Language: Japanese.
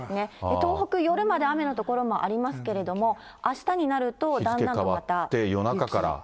東北、夜まで雨の所もありますけれども、あしたになるとだんだんとまた雪。